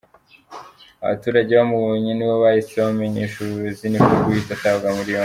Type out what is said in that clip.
Abaturage bamubonye nibo bahise bamenyesha ubuyobozi niko guhita atabwa muri yombi.